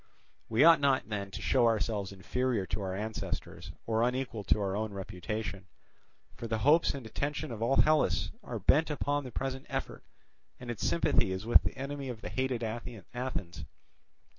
We ought not then to show ourselves inferior to our ancestors, or unequal to our own reputation. For the hopes and attention of all Hellas are bent upon the present effort, and its sympathy is with the enemy of the hated Athens.